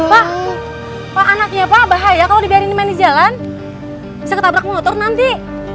pak pak anaknya pak bahaya kalau digalinyi main di jalan bisa ketabrak motor nanti